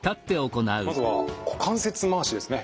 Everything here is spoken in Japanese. まずは股関節回しですね。